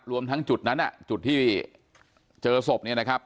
รวมทั้งจุดนั้นจุดที่เจอศพเนี่ยนะครับ